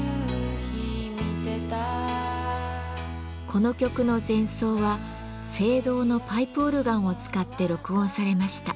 この曲の前奏は聖堂のパイプオルガンを使って録音されました。